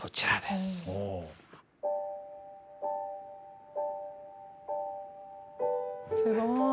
すごい。